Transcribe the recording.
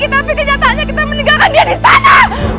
tapi kenyataannya kita meninggalkan dia di sana